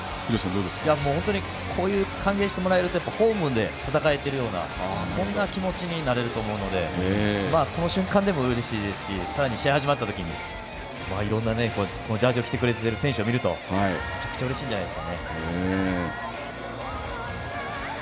本当にこうやって歓迎してもらえるとホームで戦えてるような気持ちになれると思うのでこの瞬間でもうれしいですしさらに、試合始まった時にいろんなジャージを着てくれてるのを見るとめちゃくちゃうれしいんじゃないでしょうかね。